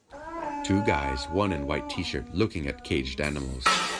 Two guys, one in white tshirt, looking at caged animals.